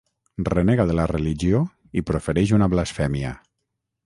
Renega de la religió i profereix una blasfèmia.